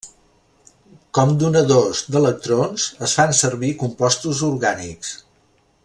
Com donadors d'electrons es fan servir compostos orgànics.